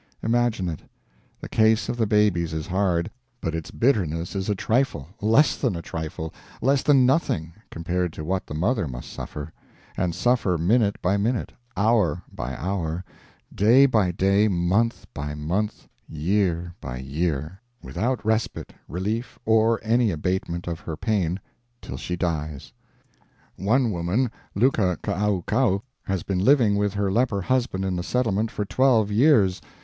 "Imagine it! The case of the babies is hard, but its bitterness is a trifle less than a trifle less than nothing compared to what the mother must suffer; and suffer minute by minute, hour by hour, day by day, month by month, year by year, without respite, relief, or any abatement of her pain till she dies. "One woman, Luka Kaaukau, has been living with her leper husband in the settlement for twelve years.